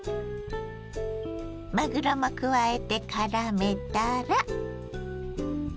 まぐろも加えてからめたら。